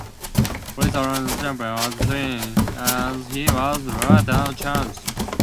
Police arrested Chapman at the scene and he was later charged.